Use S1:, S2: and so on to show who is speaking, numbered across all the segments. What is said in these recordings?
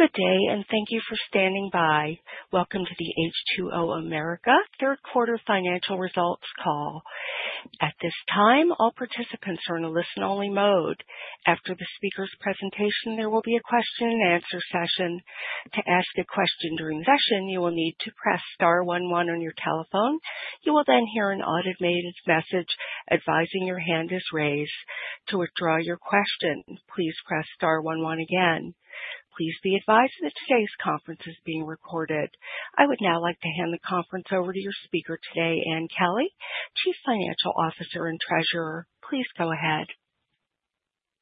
S1: Good day, and thank you for standing by. Welcome to the H2O America Third-Quarter Financial Results Call. At this time, all participants are in a listen-only mode. After the speaker's presentation, there will be a question-and-answer session. To ask a question during the session, you will need to press star 11 on your telephone. You will then hear an automated message advising your hand is raised. To withdraw your question, please press star 11 again. Please be advised that today's conference is being recorded. I would now like to hand the conference over to your speaker today, Ann Kelly, Chief Financial Officer and Treasurer. Please go ahead.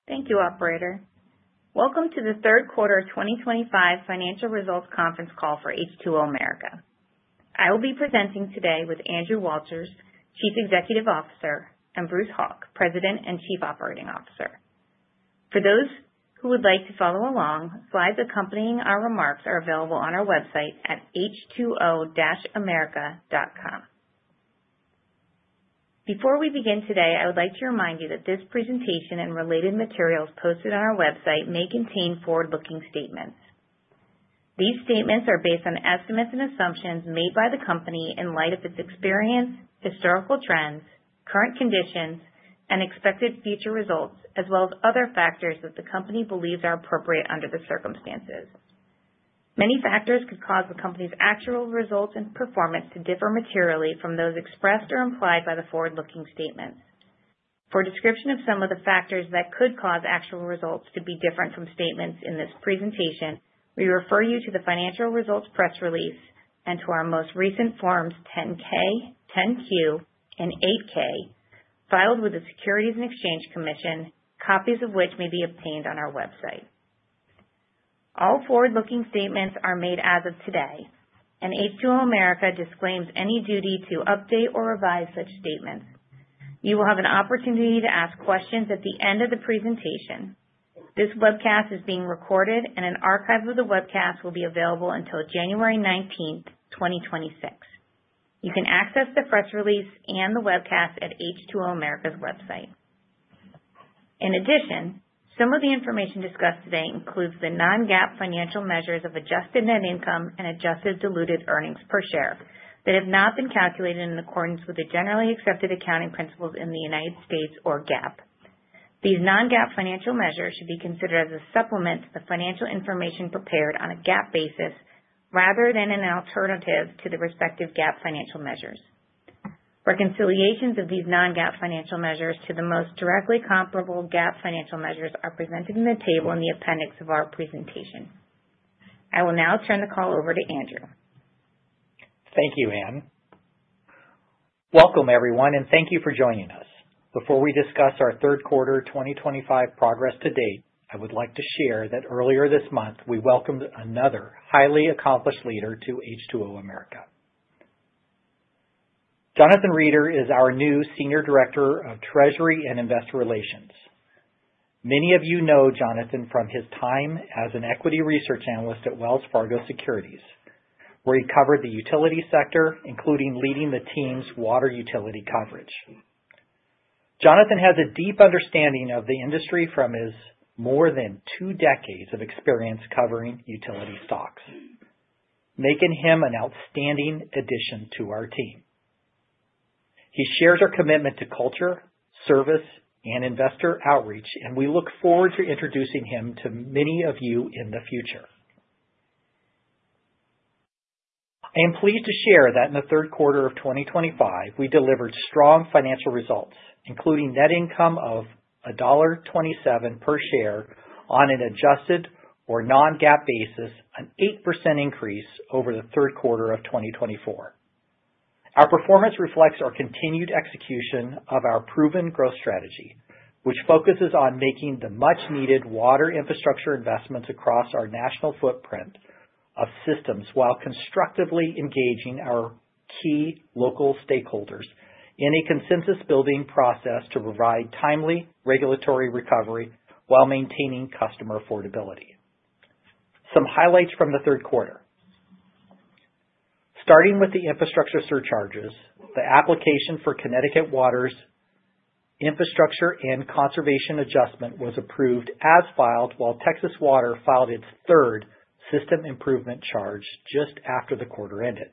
S2: Thank you, Operator. Welcome to the third quarter 2025 financial results conference call for H2O America. I will be presenting today with Andrew Walters, Chief Executive Officer, and Bruce Hauk, President and Chief Operating Officer. For those who would like to follow along, slides accompanying our remarks are available on our website at h2o-america.com. Before we begin today, I would like to remind you that this presentation and related materials posted on our website may contain forward-looking statements. These statements are based on estimates and assumptions made by the company in light of its experience, historical trends, current conditions, and expected future results, as well as other factors that the company believes are appropriate under the circumstances. Many factors could cause the company's actual results and performance to differ materially from those expressed or implied by the forward-looking statements. For a description of some of the factors that could cause actual results to be different from statements in this presentation, we refer you to the financial results press release and to our most recent Forms 10-K, 10-Q, and 8-K, filed with the Securities and Exchange Commission, copies of which may be obtained on our website. All forward-looking statements are made as of today, and H2O America disclaims any duty to update or revise such statements. You will have an opportunity to ask questions at the end of the presentation. This webcast is being recorded, and an archive of the webcast will be available until January 19, 2026. You can access the press release and the webcast at H2O America's website. In addition, some of the information discussed today includes the non-GAAP financial measures of adjusted net income and adjusted diluted earnings per share that have not been calculated in accordance with the generally accepted accounting principles in the United States or GAAP. These non-GAAP financial measures should be considered as a supplement to the financial information prepared on a GAAP basis rather than an alternative to the respective GAAP financial measures. Reconciliations of these non-GAAP financial measures to the most directly comparable GAAP financial measures are presented in the table in the appendix of our presentation. I will now turn the call over to Andrew.
S3: Thank you, Ann. Welcome, everyone, and thank you for joining us. Before we discuss our third quarter 2025 progress to date, I would like to share that earlier this month, we welcomed another highly accomplished leader to H2O America. Jonathan Reeder is our new Senior Director of Treasury and Investor Relations. Many of you know Jonathan from his time as an equity research analyst at Wells Fargo Securities, where he covered the utility sector, including leading the team's water utility coverage. Jonathan has a deep understanding of the industry from his more than two decades of experience covering utility stocks, making him an outstanding addition to our team. He shares our commitment to culture, service, and investor outreach, and we look forward to introducing him to many of you in the future. I am pleased to share that in the third quarter of 2025, we delivered strong financial results, including net income of $1.27 per share on an adjusted or non-GAAP basis, an 8% increase over the third quarter of 2024. Our performance reflects our continued execution of our proven growth strategy, which focuses on making the much-needed water infrastructure investments across our national footprint of systems while constructively engaging our key local stakeholders in a consensus-building process to provide timely regulatory recovery while maintaining customer affordability. Some highlights from the third quarter: starting with the infrastructure surcharges, the application for Connecticut Water's Infrastructure and Conservation Adjustment was approved as filed, while Texas Water filed its third System improvement Charge just after the quarter ended.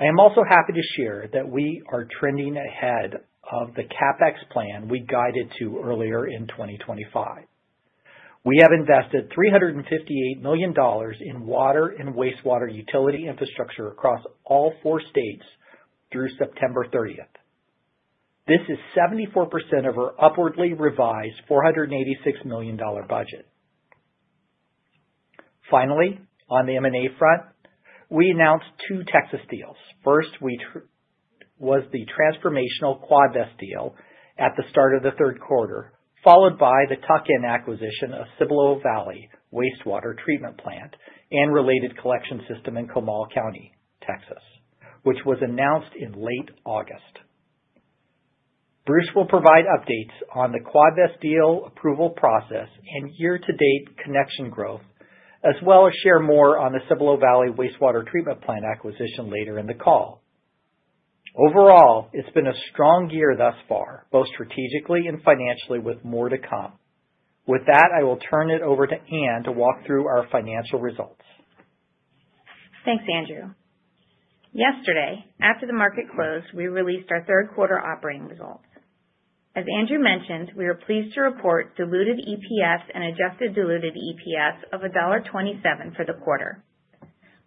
S3: I am also happy to share that we are trending ahead of the CapEx plan we guided to earlier in 2025. We have invested $358 million in water and wastewater utility infrastructure across all four states through September 30. This is 74% of our upwardly revised $486 million budget. Finally, on the M&A front, we announced two Texas deals. First was the transformational Quadvest deal at the start of the third quarter, followed by the tuck-in acquisition of Cibolo Valley Wastewater Treatment Plant and Related Collection System in Comal County, Texas, which was announced in late August. Bruce will provide updates on the Quadvest deal approval process and year-to-date connection growth, as well as share more on the Cibolo Valley Wastewater Treatment Plant acquisition later in the call. Overall, it's been a strong year thus far, both strategically and financially, with more to come. With that, I will turn it over to Ann to walk through our financial results.
S2: Thanks, Andrew. Yesterday, after the market closed, we released our third-quarter operating results. As Andrew mentioned, we were pleased to report diluted EPS and adjusted diluted EPS of $1.27 for the quarter.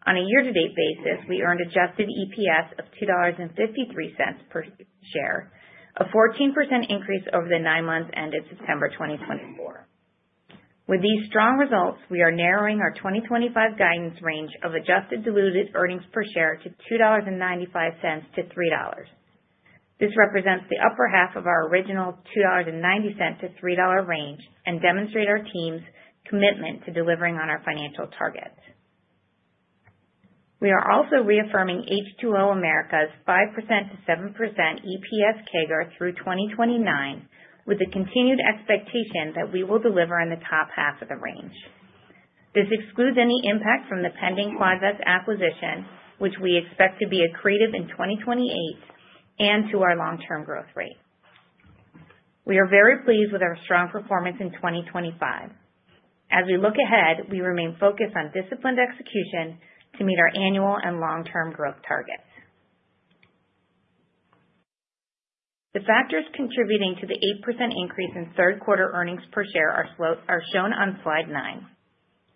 S2: On a year-to-date basis, we earned adjusted EPS of $2.53 per share, a 14% increase over the nine months ended September 2024. With these strong results, we are narrowing our 2025 guidance range of adjusted diluted earnings per share to $2.95-$3. This represents the upper half of our original $2.90-$3 range and demonstrates our team's commitment to delivering on our financial targets. We are also reaffirming H2O America's 5%-7% EPS CAGR through 2029, with the continued expectation that we will deliver on the top half of the range. This excludes any impact from the pending Quadvest acquisition, which we expect to be accretive in 2028, and to our long-term growth rate. We are very pleased with our strong performance in 2025. As we look ahead, we remain focused on disciplined execution to meet our annual and long-term growth targets. The factors contributing to the 8% increase in third-quarter earnings per share are shown on Slide 9.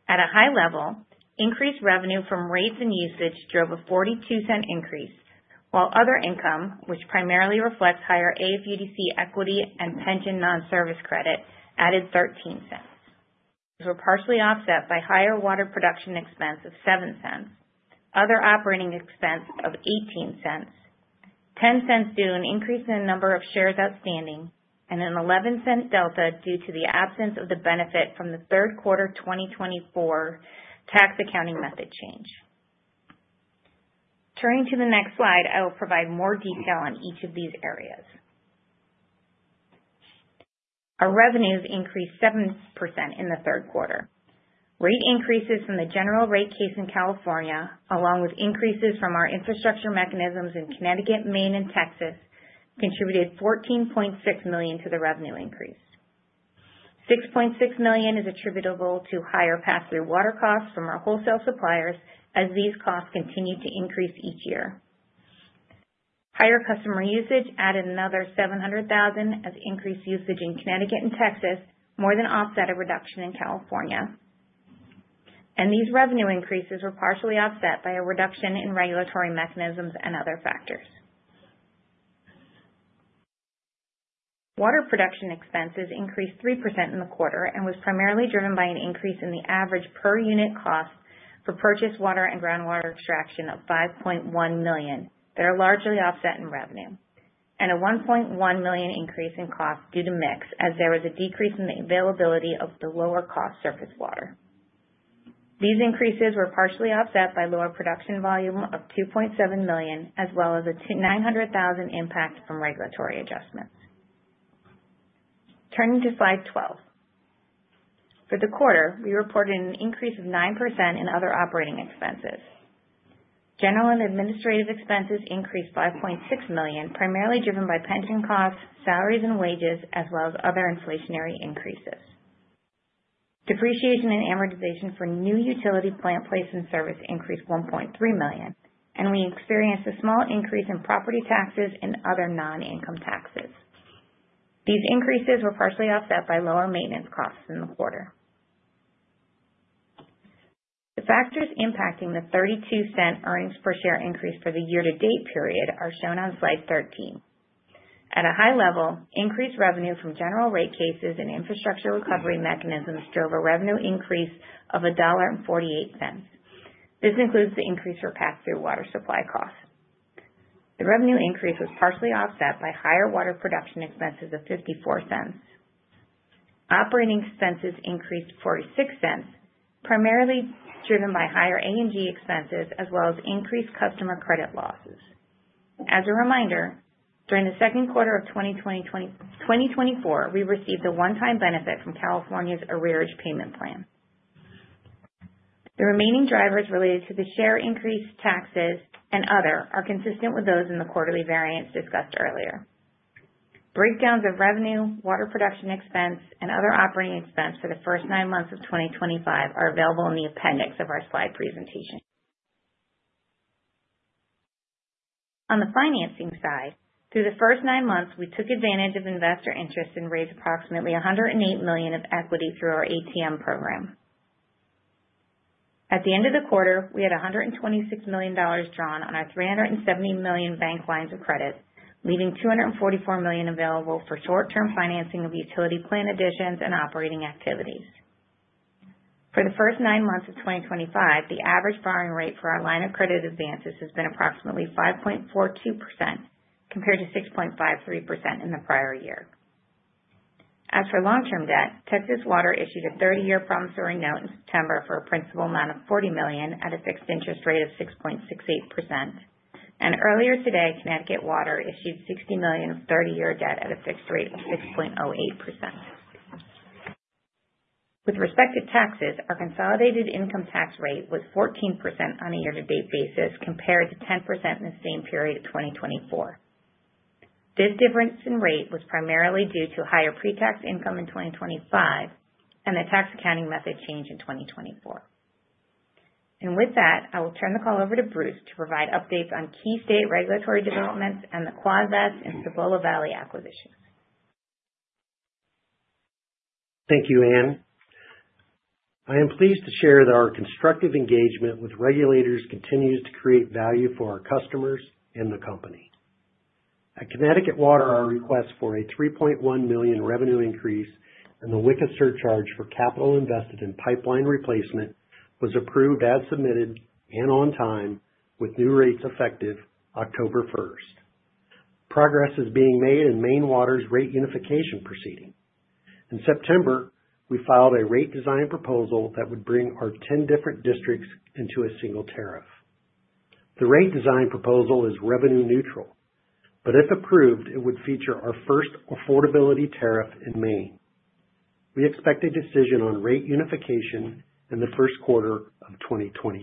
S2: At a high level, increased revenue from rates and usage drove a $0.42 increase, while other income, which primarily reflects higher AFUDC equity and pension non-service credit, added $0.13. These were partially offset by higher water production expense of $0.07, other operating expense of $0.18, $0.10 due to an increase in the number of shares outstanding, and an $0.11 delta due to the absence of the benefit from the third quarter 2024 tax accounting method change. Turning to the next slide, I will provide more detail on each of these areas. Our revenues increased 7% in the third quarter. Rate increases from the general rate case in California, along with increases from our infrastructure mechanisms in Connecticut, Maine, and Texas, contributed $14.6 million to the revenue increase. $6.6 million is attributable to higher pass-through water costs from our wholesale suppliers, as these costs continue to increase each year. Higher customer usage added another $700,000, as increased usage in Connecticut and Texas, more than offset a reduction in California, and these revenue increases were partially offset by a reduction in regulatory mechanisms and other factors. Water production expenses increased 3% in the quarter and was primarily driven by an increase in the average per-unit cost for purchased water and groundwater extraction of $5.1 million that are largely offset in revenue, and a $1.1 million increase in cost due to mix, as there was a decrease in the availability of the lower-cost surface water. These increases were partially offset by lower production volume of $2.7 million, as well as a $900,000 impact from regulatory adjustments. Turning to Slide 12. For the quarter, we reported an increase of 9% in other operating expenses. General and administrative expenses increased $5.6 million, primarily driven by pension costs, salaries and wages, as well as other inflationary increases. Depreciation and amortization for new utility plant placed in service increased $1.3 million, and we experienced a small increase in property taxes and other non-income taxes. These increases were partially offset by lower maintenance costs in the quarter. The factors impacting the $0.32 earnings per share increase for the year-to-date period are shown on Slide 13. At a high level, increased revenue from general rate cases and infrastructure recovery mechanisms drove a revenue increase of $1.48. This includes the increase for pass-through water supply costs. The revenue increase was partially offset by higher water production expenses of $0.54. Operating expenses increased $0.46, primarily driven by higher A&G expenses, as well as increased customer credit losses. As a reminder, during the second quarter of 2024, we received a one-time benefit from California's Arrearage Payment Plan. The remaining drivers related to the share increase, taxes, and other are consistent with those in the quarterly variance discussed earlier. Breakdowns of revenue, water production expense, and other operating expense for the first nine months of 2025 are available in the appendix of our slide presentation. On the financing side, through the first nine months, we took advantage of investor interest and raised approximately $108 million of equity through our ATM program. At the end of the quarter, we had $126 million drawn on our $370 million bank lines of credit, leaving $244 million available for short-term financing of utility plant additions and operating activities. For the first nine months of 2025, the average borrowing rate for our line of credit advances has been approximately 5.42%, compared to 6.53% in the prior year. As for long-term debt, Texas Water issued a 30-year promissory note in September for a principal amount of $40 million at a fixed interest rate of 6.68%, and earlier today, Connecticut Water issued $60 million of 30-year debt at a fixed rate of 6.08%. With respect to taxes, our consolidated income tax rate was 14% on a year-to-date basis, compared to 10% in the same period of 2024. This difference in rate was primarily due to higher pre-tax income in 2025 and the tax accounting method change in 2024. With that, I will turn the call over to Bruce to provide updates on key state regulatory developments and the Quadvest and Cibolo Valley acquisitions.
S4: Thank you, Ann. I am pleased to share that our constructive engagement with regulators continues to create value for our customers and the company. At Connecticut Water, our request for a $3.1 million revenue increase and the WICA surcharge for capital invested in pipeline replacement was approved as submitted and on time, with new rates effective October 1. Progress is being made in Maine Water's rate unification proceeding. In September, we filed a rate design proposal that would bring our 10 different districts into a single tariff. The rate design proposal is revenue-neutral, but if approved, it would feature our first affordability tariff in Maine. We expect a decision on rate unification in the first quarter of 2026.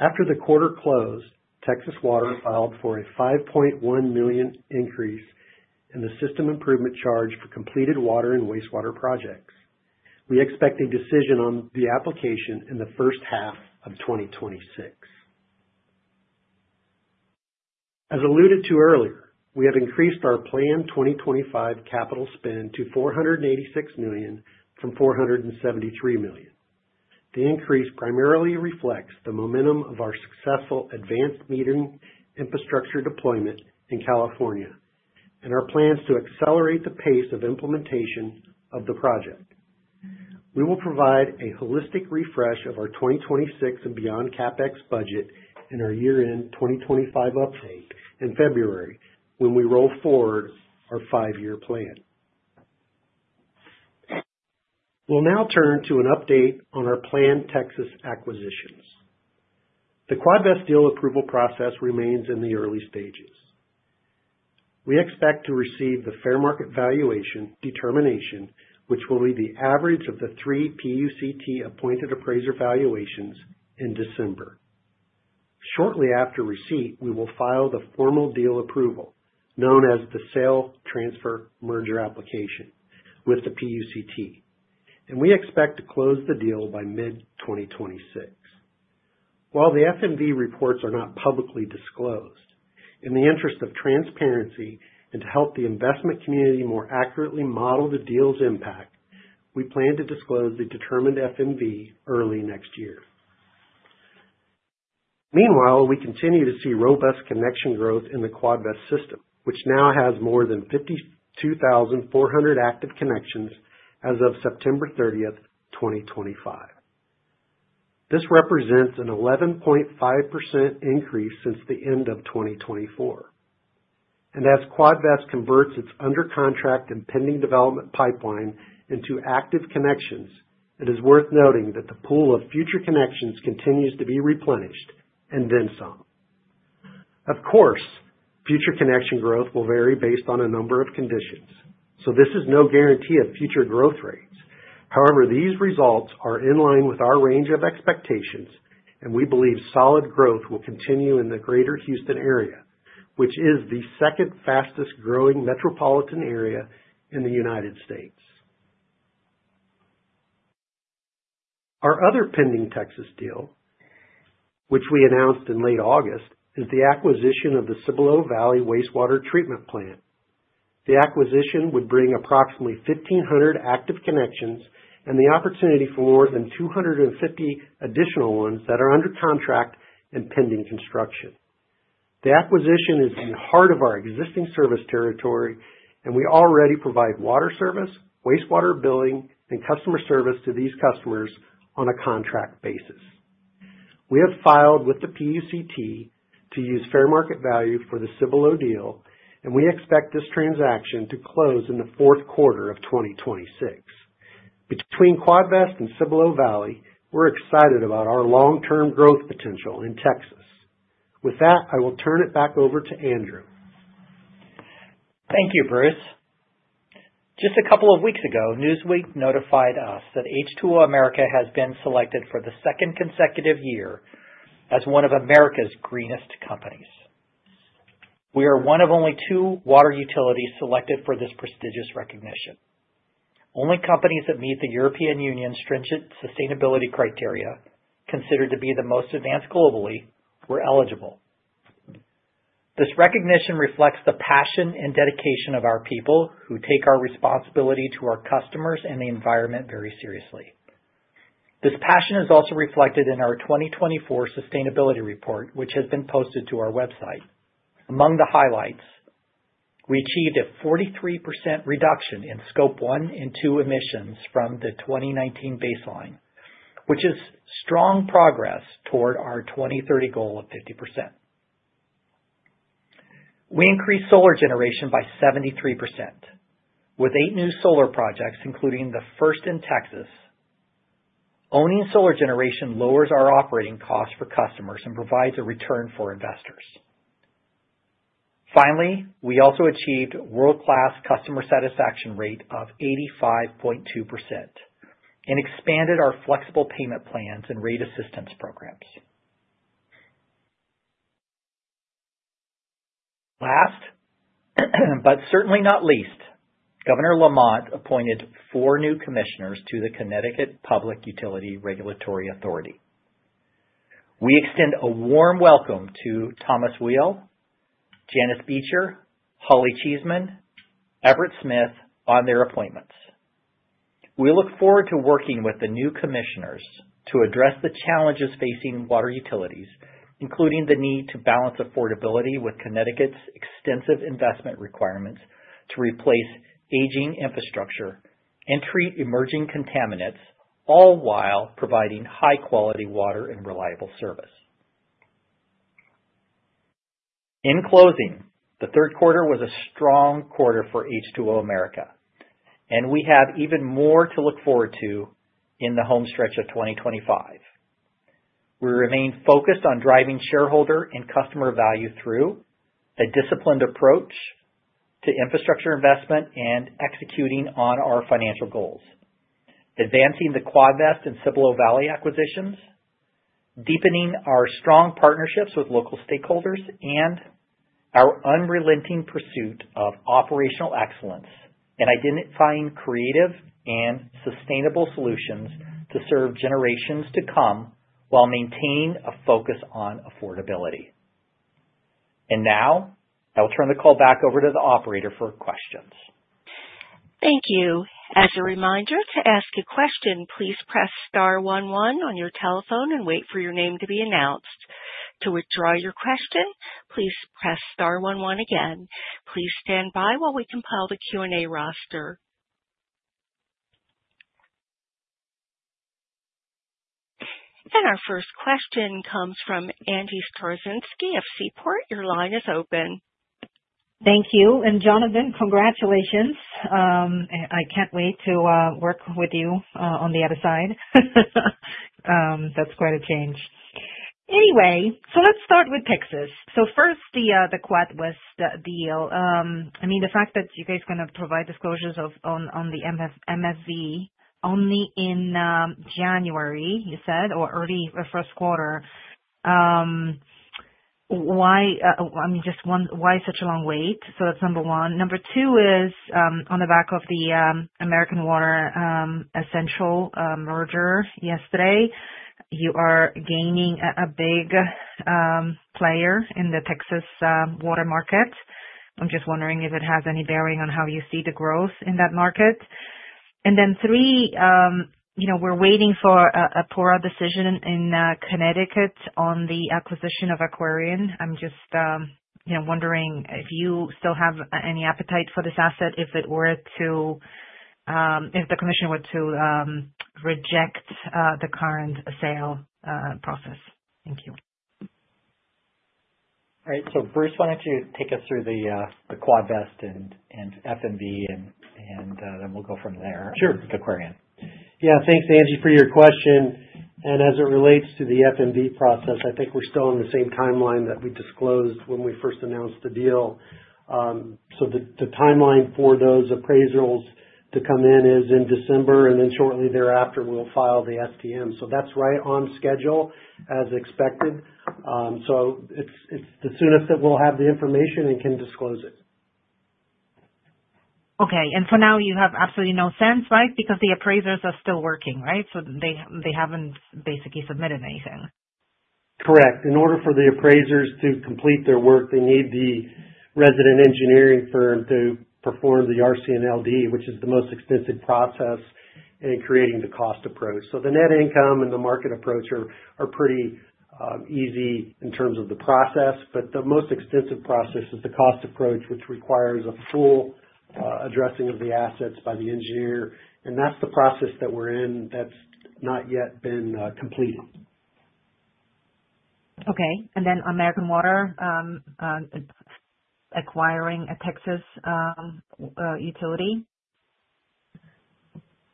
S4: After the quarter closed, Texas Water filed for a $5.1 million increase in the System Improvement Charge for completed water and wastewater projects. We expect a decision on the application in the first half of 2026. As alluded to earlier, we have increased our planned 2025 capital spend to $486 million from $473 million. The increase primarily reflects the momentum of our successful advanced metering infrastructure deployment in California and our plans to accelerate the pace of implementation of the project. We will provide a holistic refresh of our 2026 and beyond CapEx budget in our year-end 2025 update in February when we roll forward our five-year plan. We'll now turn to an update on our planned Texas acquisitions. The Quadvest deal approval process remains in the early stages. We expect to receive the fair market valuation determination, which will be the average of the three PUCT appointed appraiser valuations in December. Shortly after receipt, we will file the formal deal approval, known as the sale transfer merger application, with the PUCT. We expect to close the deal by mid-2026. While the FMV reports are not publicly disclosed, in the interest of transparency and to help the investment community more accurately model the deal's impact, we plan to disclose the determined FMV early next year. Meanwhile, we continue to see robust connection growth in the Quadvest system, which now has more than 52,400 active connections as of September 30, 2025. This represents an 11.5% increase since the end of 2024. As Quadvest converts its under-contract and pending development pipeline into active connections, it is worth noting that the pool of future connections continues to be replenished and then some. Of course, future connection growth will vary based on a number of conditions, so this is no guarantee of future growth rates. However, these results are in line with our range of expectations, and we believe solid growth will continue in the greater Houston area, which is the second fastest-growing metropolitan area in the United States. Our other pending Texas deal, which we announced in late August, is the acquisition of the Cibolo Valley Wastewater Treatment Plant. The acquisition would bring approximately 1,500 active connections and the opportunity for more than 250 additional ones that are under contract and pending construction. The acquisition is in the heart of our existing service territory, and we already provide water service, wastewater billing, and customer service to these customers on a contract basis. We have filed with the PUCT to use fair market value for the Cibolo deal, and we expect this transaction to close in the fourth quarter of 2026. Between Quadvest and Cibolo Valley, we're excited about our long-term growth potential in Texas. With that, I will turn it back over to Andrew.
S3: Thank you, Bruce. Just a couple of weeks ago, Newsweek notified us that H2O America has been selected for the second consecutive year as one of America's Greenest Companies. We are one of only two water utilities selected for this prestigious recognition. Only companies that meet the European Union's stringent sustainability criteria, considered to be the most advanced globally, were eligible. This recognition reflects the passion and dedication of our people who take our responsibility to our customers and the environment very seriously. This passion is also reflected in our 2024 sustainability report, which has been posted to our website. Among the highlights, we achieved a 43% reduction in Scope 1 and 2 emissions from the 2019 baseline, which is strong progress toward our 2030 goal of 50%. We increased solar generation by 73%, with eight new solar projects, including the first in Texas. Owning solar generation lowers our operating costs for customers and provides a return for investors. Finally, we also achieved a world-class customer satisfaction rate of 85.2% and expanded our flexible payment plans and rate assistance programs. Last, but certainly not least, Governor Lamont appointed four new commissioners to the Connecticut Public Utilities Regulatory Authority. We extend a warm welcome to Thomas Wiehl, Janice Beecher, Holly Cheeseman, and Everett Smith on their appointments. We look forward to working with the new commissioners to address the challenges facing water utilities, including the need to balance affordability with Connecticut's extensive investment requirements to replace aging infrastructure and treat emerging contaminants, all while providing high-quality water and reliable service. In closing, the third quarter was a strong quarter for H2O America, and we have even more to look forward to in the homestretch of 2025. We remain focused on driving shareholder and customer value through a disciplined approach to infrastructure investment and executing on our financial goals, advancing the Quadvest and Cibolo Valley acquisitions, deepening our strong partnerships with local stakeholders, and our unrelenting pursuit of operational excellence in identifying creative and sustainable solutions to serve generations to come while maintaining a focus on affordability, and now, I will turn the call back over to the operator for questions.
S1: Thank you. As a reminder, to ask a question, please press star 11 on your telephone and wait for your name to be announced. To withdraw your question, please press star 11 again. Please stand by while we compile the Q&A roster, and our first question comes from Angie Storozynski of Seaport. Your line is open.
S5: Thank you. And, Jonathan, congratulations. I can't wait to work with you on the other side. That's quite a change. Anyway, so let's start with Texas. So first, the Quadvest deal. I mean, the fact that you guys are going to provide disclosures on the FMV only in January, you said, or early first quarter, I mean, just one, why such a long wait? So that's number one. Number two is on the back of the American Water Essential merger yesterday, you are gaining a big player in the Texas water market. I'm just wondering if it has any bearing on how you see the growth in that market. And then three, we're waiting for a PURA decision in Connecticut on the acquisition of Aquarion. I'm just wondering if you still have any appetite for this asset if it were to, if the commission were to reject the current sale process? Thank you.
S3: All right, so Bruce wanted to take us through the Quadvest and FMV, and then we'll go from there with Aquarion.
S4: Sure. Yeah. Thanks, Angie, for your question. And as it relates to the FMV process, I think we're still on the same timeline that we disclosed when we first announced the deal. So the timeline for those appraisals to come in is in December, and then shortly thereafter, we'll file the STM. So that's right on schedule as expected. So it's the soonest that we'll have the information and can disclose it.
S5: Okay. And for now, you have absolutely no sense, right? Because the appraisers are still working, right? So they haven't basically submitted anything.
S4: Correct. In order for the appraisers to complete their work, they need the resident engineering firm to perform the RCNLD, which is the most extensive process in creating the cost approach. So the net income and the market approach are pretty easy in terms of the process, but the most extensive process is the cost approach, which requires a full addressing of the assets by the engineer. And that's the process that we're in that's not yet been completed.
S5: Okay. And then American Water acquiring a Texas utility?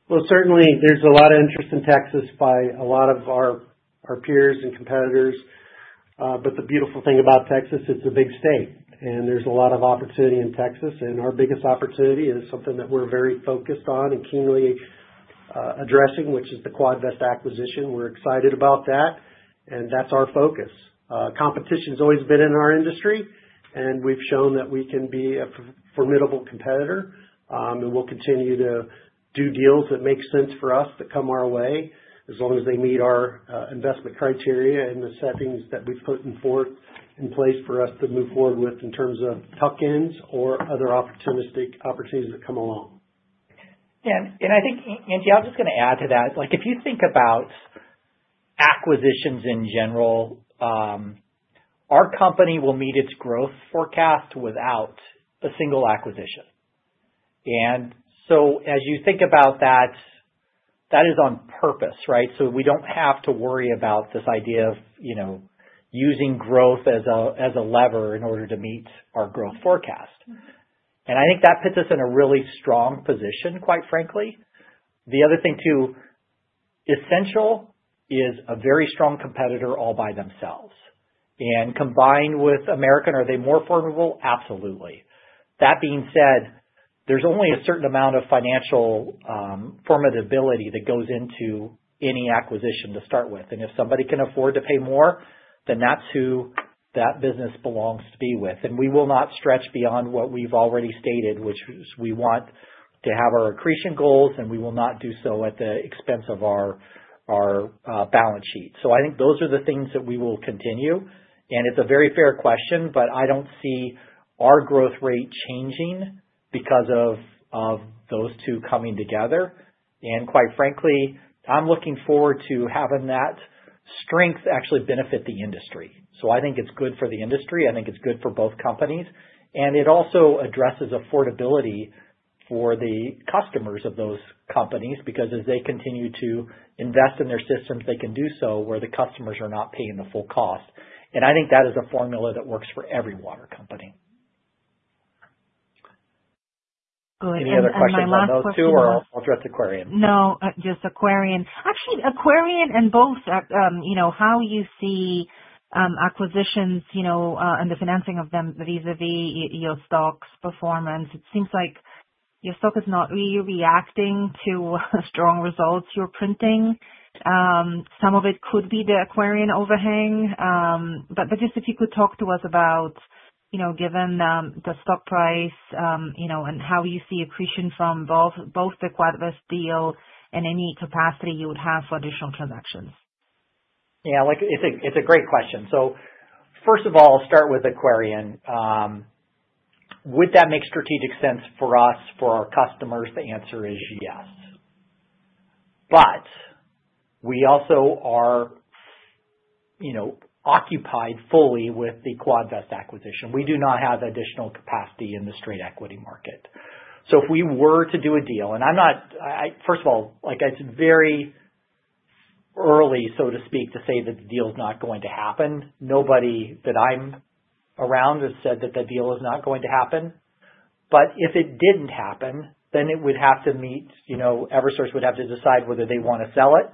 S4: Well, certainly, there's a lot of interest in Texas by a lot of our peers and competitors. But the beautiful thing about Texas is it's a big state, and there's a lot of opportunity in Texas. And our biggest opportunity is something that we're very focused on and keenly addressing, which is the Quadvest acquisition. We're excited about that, and that's our focus. Competition has always been in our industry, and we've shown that we can be a formidable competitor, and we'll continue to do deals that make sense for us that come our way as long as they meet our investment criteria and the settings that we've put in place for us to move forward with in terms of tuck-ins or other opportunities that come along.
S3: Yeah. And I think, Angie, I'm just going to add to that. If you think about acquisitions in general, our company will meet its growth forecast without a single acquisition. And so as you think about that, that is on purpose, right? So we don't have to worry about this idea of using growth as a lever in order to meet our growth forecast. And I think that puts us in a really strong position, quite frankly. The other thing too, Essential is a very strong competitor all by themselves. And combined with American, are they more formidable? Absolutely. That being said, there's only a certain amount of financial formidability that goes into any acquisition to start with. And if somebody can afford to pay more, then that's who that business belongs to be with. And we will not stretch beyond what we've already stated, which is we want to have our accretion goals, and we will not do so at the expense of our balance sheet. So I think those are the things that we will continue. And it's a very fair question, but I don't see our growth rate changing because of those two coming together. And quite frankly, I'm looking forward to having that strength actually benefit the industry. So I think it's good for the industry. I think it's good for both companies. And it also addresses affordability for the customers of those companies because as they continue to invest in their systems, they can do so where the customers are not paying the full cost. And I think that is a formula that works for every water company. Any other questions on those two, or I'll address Aquarion?
S5: No, just Aquarion. Actually, Aquarion and both, how you see acquisitions and the financing of them vis-à-vis your stock's performance? It seems like your stock is not really reacting to strong results you're printing. Some of it could be the Aquarion overhang, but just if you could talk to us about, given the stock price and how you see accretion from both the Quadvest deal and any capacity you would have for additional transactions?
S3: Yeah. It's a great question. So first of all, I'll start with Aquarion. Would that make strategic sense for us, for our customers? The answer is yes. But we also are occupied fully with the Quadvest acquisition. We do not have additional capacity in the straight equity market. So if we were to do a deal and I'm not, first of all, it's very early, so to speak, to say that the deal is not going to happen. Nobody that I'm around has said that the deal is not going to happen. But if it didn't happen, then it would have to meet Eversource would have to decide whether they want to sell it.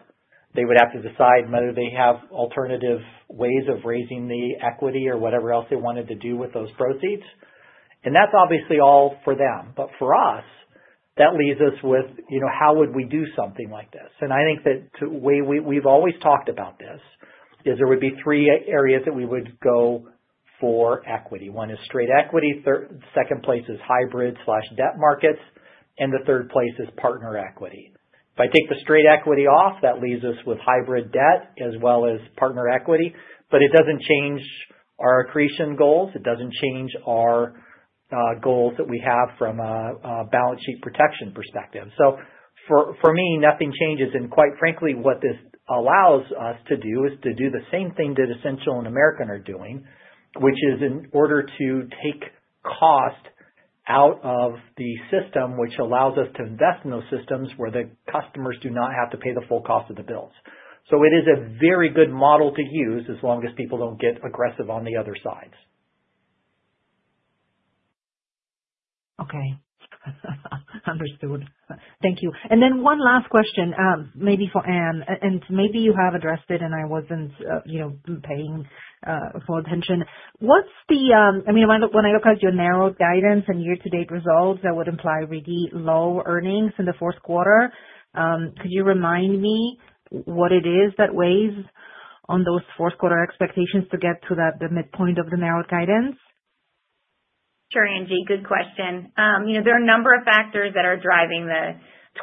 S3: They would have to decide whether they have alternative ways of raising the equity or whatever else they wanted to do with those proceeds. And that's obviously all for them. But for us, that leaves us with how would we do something like this? And I think that the way we've always talked about this is there would be three areas that we would go for equity. One is straight equity. The second place is hybrid/debt markets. And the third place is partner equity. If I take the straight equity off, that leaves us with hybrid debt as well as partner equity. But it doesn't change our accretion goals. It doesn't change our goals that we have from a balance sheet protection perspective. So for me, nothing changes. And quite frankly, what this allows us to do is to do the same thing that Essential and American are doing, which is in order to take cost out of the system, which allows us to invest in those systems where the customers do not have to pay the full cost of the bills. So it is a very good model to use as long as people don't get aggressive on the other sides.
S5: Okay. Understood. Thank you. And then one last question, maybe for Ann. And maybe you have addressed it, and I wasn't paying full attention. What's the, I mean, when I look at your narrow guidance and year-to-date results, that would imply really low earnings in the fourth quarter. Could you remind me what it is that weighs on those fourth-quarter expectations to get to the midpoint of the narrowed guidance?
S2: Sure, Angie. Good question. There are a number of factors that are driving the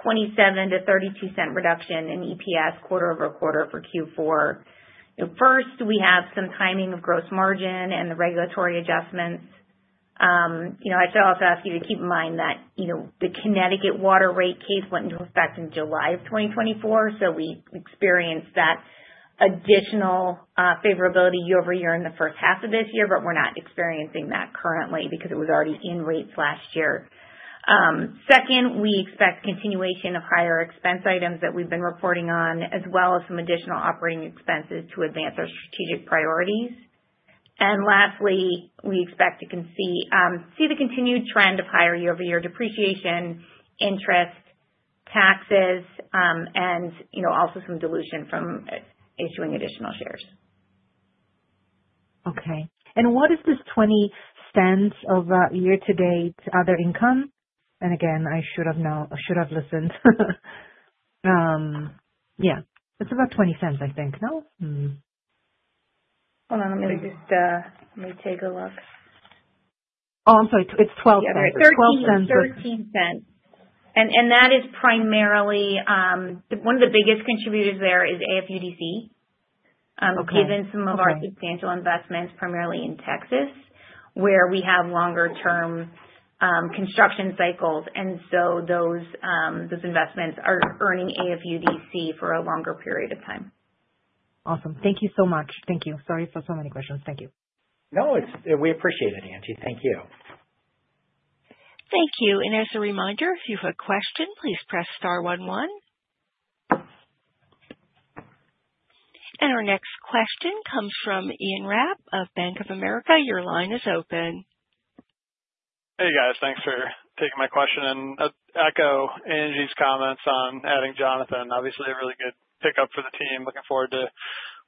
S2: $0.27-$0.32 reduction in EPS quarter-over-quarter for Q4. First, we have some timing of gross margin and the regulatory adjustments. I should also ask you to keep in mind that the Connecticut Water rate case went into effect in July of 2024, so we experienced that additional favorability year-over-year in the first half of this year, but we're not experiencing that currently because it was already in rates last year. Second, we expect continuation of higher expense items that we've been reporting on, as well as some additional operating expenses to advance our strategic priorities. And lastly, we expect to see the continued trend of higher year-over-year depreciation, interest, taxes, and also some dilution from issuing additional shares.
S5: Okay. And what is this $0.20 of year-to-date other income? And again, I should have listened. Yeah. It's about $0.20, I think. No?
S2: Hold on. Let me just take a look.
S5: Oh, I'm sorry. It's $0.12.
S2: Sorry. $0.13, and that is primarily one of the biggest contributors there is, AFUDC, given some of our substantial investments primarily in Texas, where we have longer-term construction cycles, and so those investments are earning AFUDC for a longer period of time.
S5: Awesome. Thank you so much. Thank you. Sorry for so many questions. Thank you.
S3: No. We appreciate it, Angie. Thank you.
S1: Thank you. And as a reminder, if you have a question, please press star 11. And our next question comes from Ian Rapp of Bank of America. Your line is open.
S6: Hey, guys. Thanks for taking my question and echo Angie's comments on adding Jonathan. Obviously, a really good pickup for the team. Looking forward to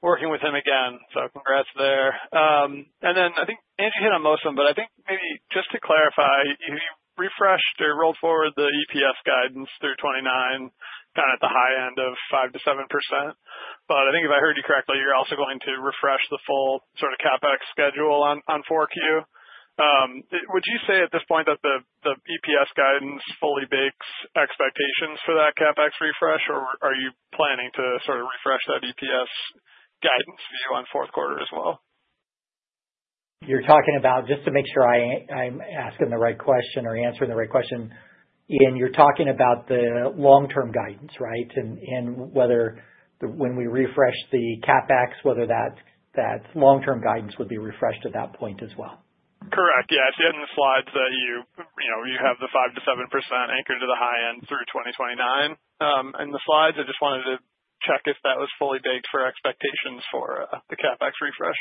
S6: working with him again. So congrats there. And then I think Angie hit on most of them, but I think maybe just to clarify, you refreshed or rolled forward the EPS guidance through 2029, kind of at the high end of 5%-7%. But I think if I heard you correctly, you're also going to refresh the full sort of CapEx schedule on 4Q. Would you say at this point that the EPS guidance fully bakes expectations for that CapEx refresh, or are you planning to sort of refresh that EPS guidance view on fourth quarter as well?
S3: You're talking about, just to make sure I'm asking the right question or answering the right question, Ian, you're talking about the long-term guidance, right? And when we refresh the CapEx, whether that long-term guidance would be refreshed at that point as well.
S6: Correct. Yeah. I see it in the slides that you have the 5%-7% anchored to the high end through 2029 in the slides. I just wanted to check if that was fully baked for expectations for the CapEx refresh.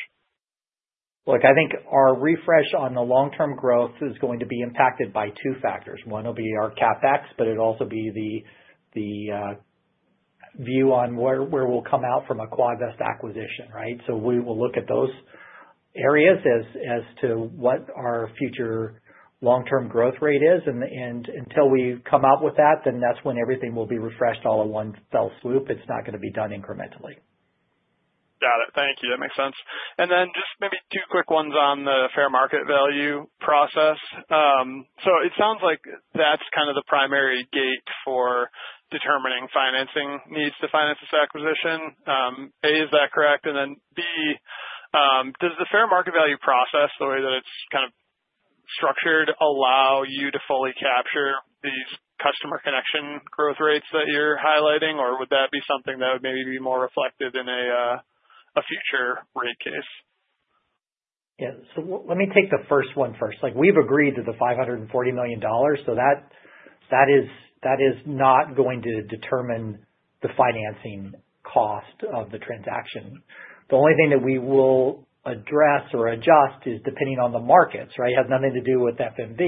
S3: Look, I think our refresh on the long-term growth is going to be impacted by two factors. One will be our CapEx, but it'll also be the view on where we'll come out from a Quadvest acquisition, right? So we will look at those areas as to what our future long-term growth rate is. And until we come out with that, then that's when everything will be refreshed all in one fell swoop. It's not going to be done incrementally.
S6: Got it. Thank you. That makes sense. And then just maybe two quick ones on the fair market value process. So it sounds like that's kind of the primary gate for determining financing needs to finance this acquisition. A, is that correct? And then B, does the fair market value process, the way that it's kind of structured, allow you to fully capture these customer connection growth rates that you're highlighting, or would that be something that would maybe be more reflected in a future rate case?
S3: Yeah. So let me take the first one first. We've agreed to the $540 million, so that is not going to determine the financing cost of the transaction. The only thing that we will address or adjust is depending on the markets, right? It has nothing to do with FMV.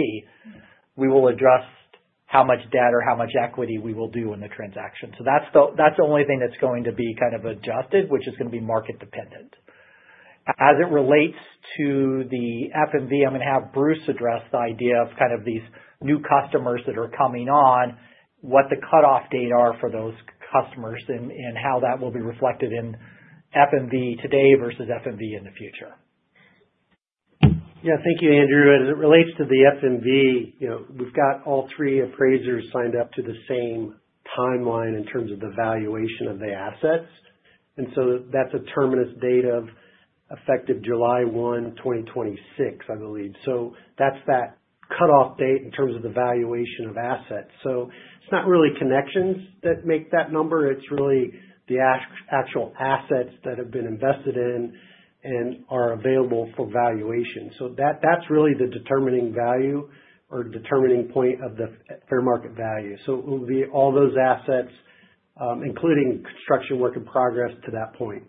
S3: We will adjust how much debt or how much equity we will do in the transaction. So that's the only thing that's going to be kind of adjusted, which is going to be market-dependent. As it relates to the FMV, I'm going to have Bruce address the idea of kind of these new customers that are coming on, what the cutoff date are for those customers, and how that will be reflected in FMV today versus FMV in the future.
S4: Yeah. Thank you, Andrew. As it relates to the FMV, we've got all three appraisers signed up to the same timeline in terms of the valuation of the assets. And so that's a terminus date of effective July 1, 2026, I believe. So that's that cutoff date in terms of the valuation of assets. So it's not really connections that make that number. It's really the actual assets that have been invested in and are available for valuation. So that's really the determining value or determining point of the fair market value. So it will be all those assets, including construction work in progress to that point.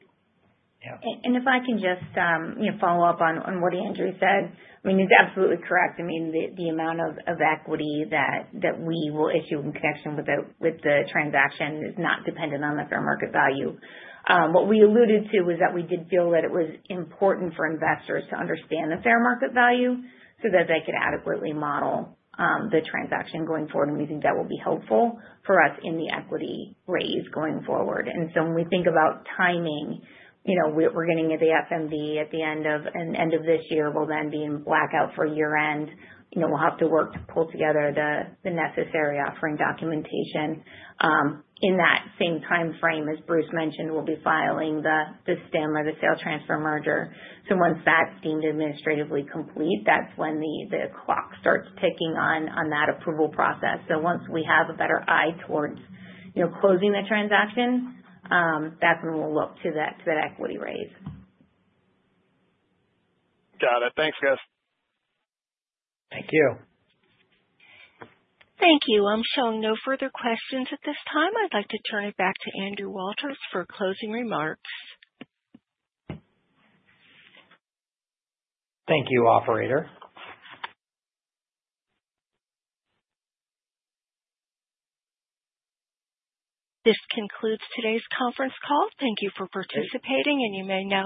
S2: Yeah. And if I can just follow up on what Andrew said. I mean, he's absolutely correct. I mean, the amount of equity that we will issue in connection with the transaction is not dependent on the fair market value. What we alluded to is that we did feel that it was important for investors to understand the fair market value so that they could adequately model the transaction going forward. And we think that will be helpful for us in the equity raise going forward. And so when we think about timing, we're getting the FMV at the end of this year. We'll then be in blackout for year-end. We'll have to work to pull together the necessary offering documentation. In that same timeframe, as Bruce mentioned, we'll be filing the STM or the Sale, Transfer, Merger. So once that's deemed administratively complete, that's when the clock starts ticking on that approval process. So once we have a better eye towards closing the transaction, that's when we'll look to that equity raise.
S6: Got it. Thanks, guys.
S3: Thank you.
S1: Thank you. I'm showing no further questions at this time. I'd like to turn it back to Andrew Walters for closing remarks.
S3: Thank you, Operator.
S1: This concludes today's conference call. Thank you for participating, and you may now.